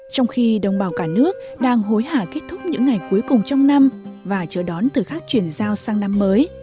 trong khi đồng bào cả nước đang hối hả kết thúc những ngày cuối cùng trong năm và chờ đón từ khắc chuyển giao sang năm mới